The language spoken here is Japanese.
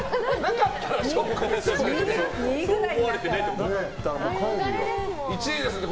なかったらショックですよね。